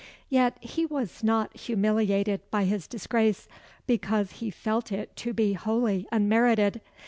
Yet he was not humiliated by his disgrace, because he felt it to be wholly unmerited.